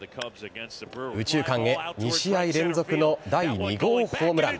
右中間へ２試合連続の第２号ホームラン。